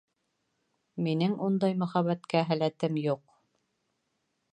Минең ундай мөхәббәткә һәләтем юҡ.